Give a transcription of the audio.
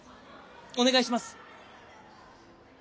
お願いします！